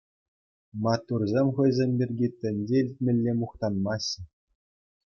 Маттурсем хӑйсем пирки тӗнче илтмелле мухтанмаҫҫӗ.